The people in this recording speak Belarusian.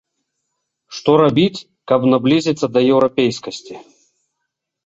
Што рабіць, каб наблізіцца да еўрапейскасці?